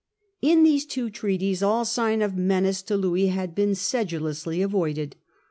In these two treaties ail sign of menace to Louis had been sedulously avoided.